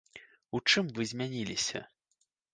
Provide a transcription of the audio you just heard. У чым вы змяніліся?